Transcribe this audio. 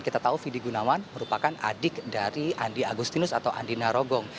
kita tahu fidi gunawan merupakan adik dari andi agustinus atau andi narogong